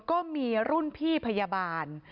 ก็มีรุ่นพี่พยาบาล